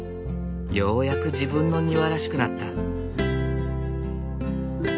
ようやく自分の庭らしくなった。